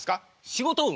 仕事運。